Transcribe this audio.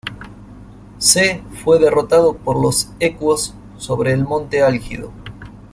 C.. Fue derrotado por los ecuos sobre el Monte Álgido.